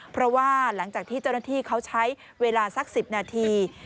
เพราะว่าหลังจากที่เจ้าหน้าที่เขาใช้เวลาสัก๑๐นาที